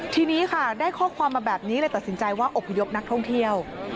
ทีนี้ค่ะได้ข้อความมาแบบนี้เลยตัดสินใจว่าอบพยพนักท่องเที่ยว